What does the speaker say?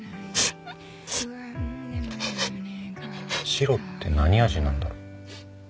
白って何味なんだろう？